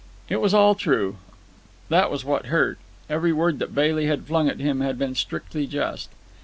It was all true. That was what hurt. Every word that Bailey had flung at him had been strictly just.